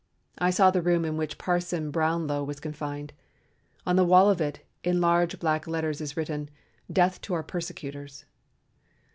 I saw the room in which Parson Brownlow was confined. On the wall of it in large black letters is written, '_Death to our persecutors.